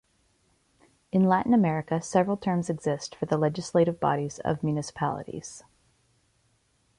In Latin America several terms exist for the legislative bodies of municipalities.